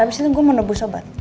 habis itu gue mau nebus obat